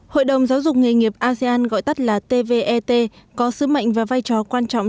hội đồng giáo dục nghề nghiệp asean gọi tắt là tvet có sứ mệnh và vai trò quan trọng